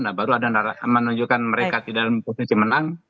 nah baru ada menunjukkan mereka di dalam posisi menang